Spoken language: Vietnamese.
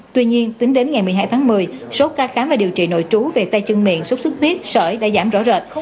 tuy nhiên tính đến ngày một mươi hai tháng một mươi số ca khám và điều trị nội trú về tay chân miệng sốt xuất huyết sởi đã giảm rõ rệt